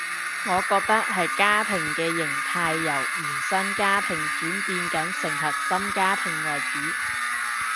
我覺得係家庭嘅型態由延伸家庭轉變緊成核心家庭為主